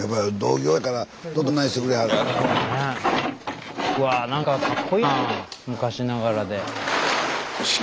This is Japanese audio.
スタジオうわ何かかっこいいなあ昔ながらで。